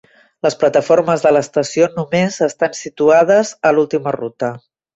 Les plataformes de l"estació només estan situades a l"última ruta.